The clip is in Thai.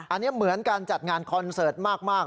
อันนี้เหมือนการจัดงานคอนเสิร์ตมาก